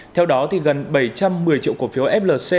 theo đó gần bảy trăm một mươi triệu cổ phiếu flc